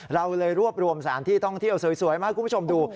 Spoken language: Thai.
เราเลยรวบรวมสถานที่ท่องเที่ยวสวยมาให้คุณผู้ชมดู